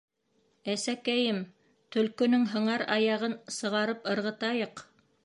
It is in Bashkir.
— Әсәкәйем, төлкөнөң һыңар аяғын сығарып ырғытайыҡ.